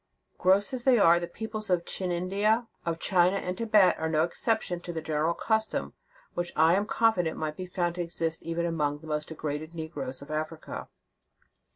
"* Gross as they are, the people of Chin India, of China and Thibet, are no exception to the general custom, which I am confident might be found to exist even among the most degraded negroes of Africa.